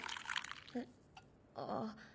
えっあぁ。